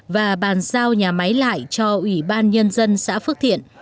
và bàn giao nhà máy lại cho ủy ban nhân dân xã phước thiện